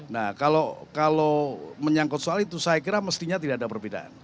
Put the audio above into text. nah kalau menyangkut soal itu saya kira mestinya tidak ada perbedaan